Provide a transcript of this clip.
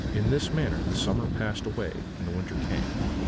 "In this manner the summer passed away, and the winter came.